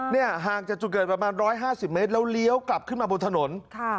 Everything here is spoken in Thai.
นี่แหงะฮะห้างจนเกิดสิบเมตรแล้วเลี้ยวกลับขึ้นมาบนถนน